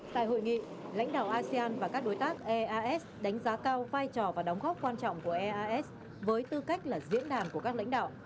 tại hội nghị lãnh đạo asean và các đối tác eas đánh giá cao vai trò và đóng góp quan trọng của eas với tư cách là diễn đàn của các lãnh đạo